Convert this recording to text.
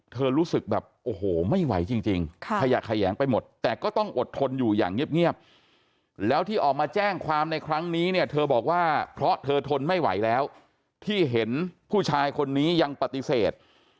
รู้สึกแบบโอ้โหไม่ไหวจริงขยะแขยงไปหมดแต่ก็ต้องอดทนอยู่อย่างเงียบแล้วที่ออกมาแจ้งความในครั้งนี้เนี่ยเธอบอกว่าเพราะเธอทนไม่ไหวแล้วที่เห็นผู้ชายคนนี้ยังปฏิเสธ